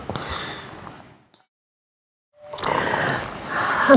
kiki perdoa semoga semuanya yang ibu doakan terkabul